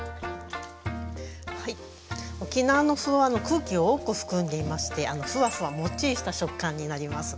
はい沖縄の麩は空気を多く含んでいましてふわふわもっちりした食感になります。